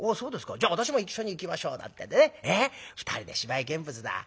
じゃあ私も一緒に行きましょう』なんてんでね２人で芝居見物だ。